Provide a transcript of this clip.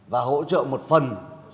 và hỗ trợ một phần